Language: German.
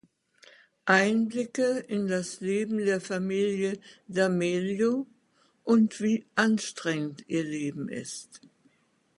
Einblicke in das Leben der Familie D’Amelio und wie anstrengend ihr Leben ist.